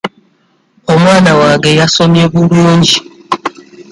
Omwana wange yasomye bulungi.